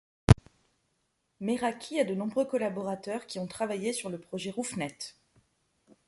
Meraki a de nombreux collaborateurs qui ont travaillé sur le projet Roofnet.